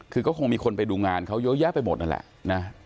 คือก็คงมีคนไปดูงานเขาเยอะแยะไปหมดนั่นแหละนะ